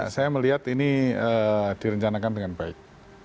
saya melihat ini direncanakan dengan baik